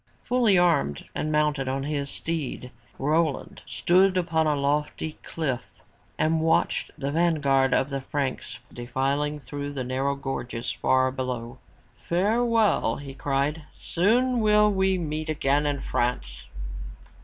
Fully armed and mounted on his steed, Roland stood upon a lofty cliff and watched the vanguard of the Franks defiling through the narrow gorges far below. Farewell !'' he cried, "soon will we meet again in France!"